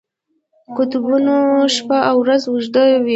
د قطبونو شپه او ورځ اوږده وي.